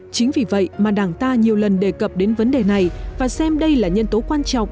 chính vì vậy mà đảng ta nhiều lần đề cập đến vấn đề này và xem đây là nhân tố quan trọng